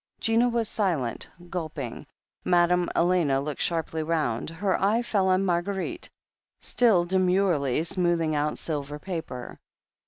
Gina was silent, gulping. Madame Elena looked sharply round. Her eye fell on Marguerite, still demurely smoothing out silver paper.